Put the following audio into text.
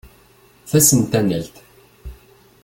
Tasentanalt.